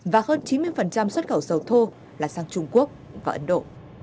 và hơn chín mươi xuất khẩu dầu thô là sang trung quốc và ấn độ